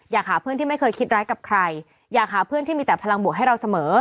อยากหาเพื่อนที่ไม่เคยคิดร้ายกับใครอยากหาเพื่อนที่มีแต่พลังบวกให้เราเสมอ